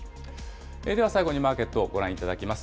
では、最後にマーケットをご覧いただきます。